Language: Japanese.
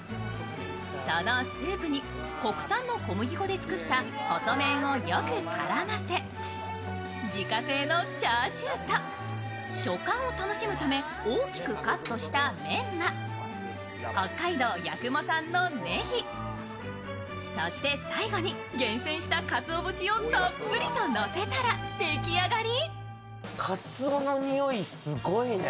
そのスープに国産の小麦粉で作った細麺をよく絡ませ自家製のチャーシューと食感を楽しむため、大きくカットしたメンマ、北海道八雲産のねぎ、そして最後に厳選したかつお節をたっぷりとのせたら出来上がり。